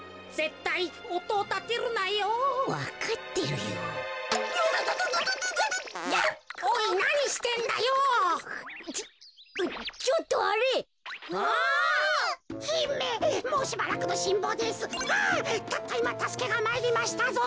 たったいまたすけがまいりましたぞ。